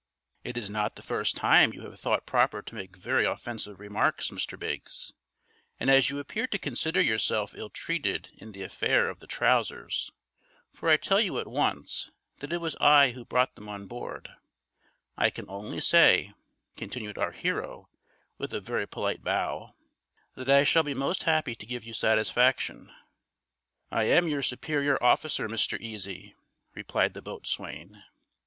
"It is not the first time you have thought proper to make very offensive remarks, Mr. Biggs; and as you appear to consider yourself ill treated in the affair of the trousers, for I tell you at once that it was I who brought them on board, I can only say," continued our hero, with a very polite bow, "that I shall be most happy to give you satisfaction." "I am your superior officer, Mr. Easy," replied the boatswain.